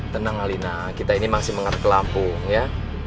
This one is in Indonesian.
tenang alina kita ini masih mengarah ke lampung ya